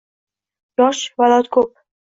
yosh valod ko'p.